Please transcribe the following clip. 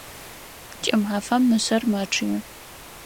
Кӏымафэм мышъэр мэчъые.